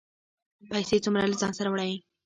پیسې څومره له ځانه سره وړئ؟